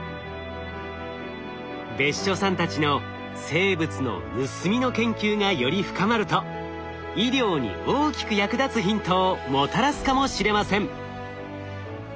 別所さんたちの生物の盗みの研究がより深まると医療に大きく役立つヒントをもたらすかもしれません。